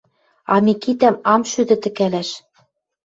А Микитӓм ам шӱдӹ тӹкӓлӓш